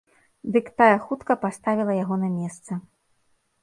Дык тая хутка паставіла яго на месца.